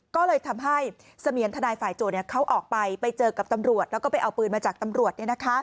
ก็เลยทำให้เสมียนทนายฝ่ายโจทย์เขาออกไปไปเจอกับตำรวจแล้วก็ไปเอาปืนมาจากตำรวจ